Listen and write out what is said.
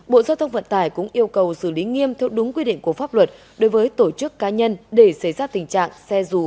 bộ giao thông vận tải cũng yêu cầu xử lý nghiêm theo đúng quy định của pháp luật đối với tổ chức cá nhân để xảy ra tình trạng xe rù